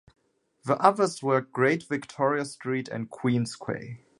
The others were Great Victoria Street, and Queen's Quay.